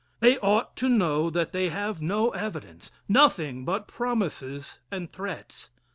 They ought to know that they have no evidence, nothing but promises and threats.